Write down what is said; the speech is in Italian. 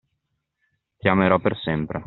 Ti amerò per sempre.